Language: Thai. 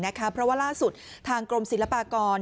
เพราะว่าล่าสุดทางกรมศิลปากร